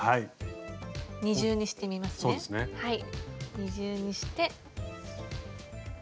二重にして。